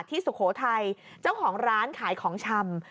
สุโขทัยเจ้าของร้านขายของชำ